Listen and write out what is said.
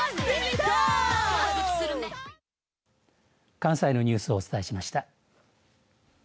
関西のニュースをお伝えしました。